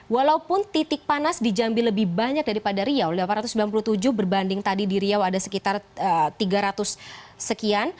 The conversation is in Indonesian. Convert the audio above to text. walaupun titik panas di jambi lebih banyak daripada riau delapan ratus sembilan puluh tujuh berbanding tadi di riau ada sekitar tiga ratus sekian